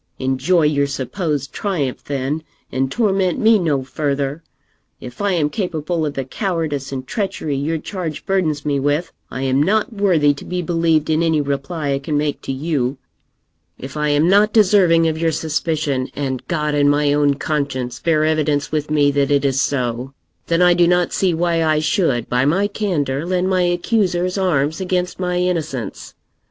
Enjoy your supposed triumph, then, and torment me no further. If I am capable of the cowardice and treachery your charge burdens me with, I am not worthy to be believed in any reply I can make to you. If I am not deserving of your suspicion and God and my own conscience bear evidence with me that it is so then I do not see why I should, by my candour, lend my accusers arms against my innocence.